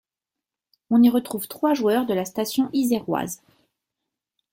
On y retrouve trois joueurs de la station iséroise.